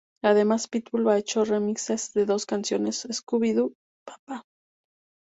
Además Pitbull ha hecho remixes de dos canciones Scooby Doo Pa Pa!